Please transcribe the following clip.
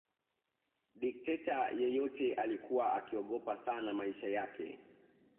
Dikteta yeyote alikuwa akiogopa sana maisha yake